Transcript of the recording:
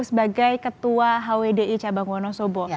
sebagai ketua hwdi cabang wonosobo